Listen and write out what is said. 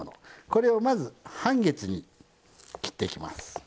これをまず半月に切っていきます。